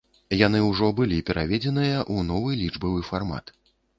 Яны ўжо былі пераведзеныя ў новы лічбавы фармат.